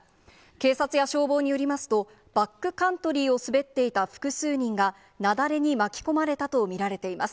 警察や消防によりますと、バックカントリーを滑っていた複数人が、雪崩に巻き込まれたと見られています。